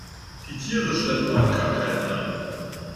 Die Tiere schleppen auch Krankheiten ein.